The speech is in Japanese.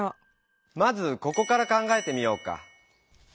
まずここから考えてみようか。